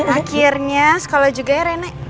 akhirnya sekolah juga ya rena